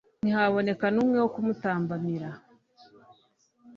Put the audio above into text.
ntihaboneka n'umwe wo kumutambamira